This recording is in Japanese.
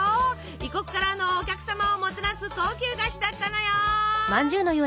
異国からのお客様をもてなす高級菓子だったのよ。